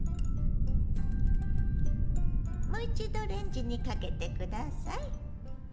もう一度レンジにかけて下さい。